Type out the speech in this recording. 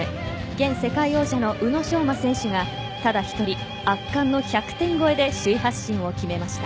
現世界王者の宇野昌磨選手がただ１人、圧巻の１００点超えで首位発進を決めました。